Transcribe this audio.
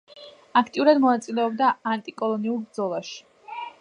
აქტიურად მონაწილეობდა ანტიკოლონიურ ბრძოლაში.